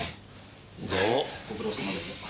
どうもご苦労さまです。